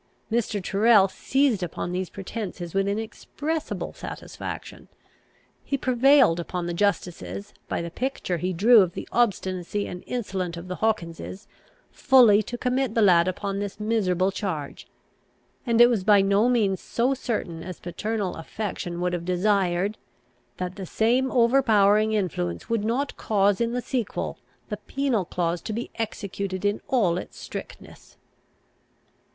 Mr. Tyrrel seized upon these pretences with inexpressible satisfaction. He prevailed upon the justices, by the picture he drew of the obstinacy and insolence of the Hawkinses, fully to commit the lad upon this miserable charge; and it was by no means so certain as paternal affection would have desired, that the same overpowering influence would not cause in the sequel the penal clause to be executed in all its strictness.